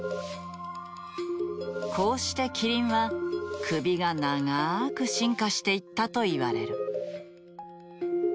こうしてキリンは首が長く進化していったといわれる。